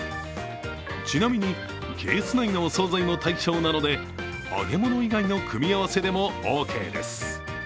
ちなみに、ケース内のお総菜も対象なので揚げ物以外の組み合わせでもオーケーです。